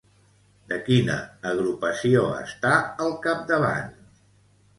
De quina agrupació està al capdavant?